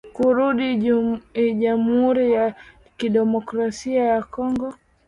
kurudi jamhuri ya kidemokrasia ya Kongo